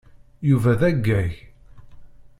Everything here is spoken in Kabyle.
Yuba d aggag.